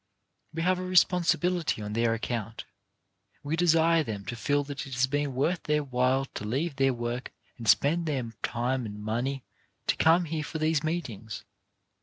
We have a re sponsibility on their account; we desire them to feel that it has been worth their while to leave their work and spend their time and money to come here for these meetings.